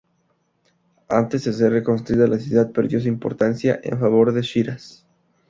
Antes de ser reconstruida, la ciudad perdió su importancia en favor de Shiraz.